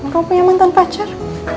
kamu punya mantan pacar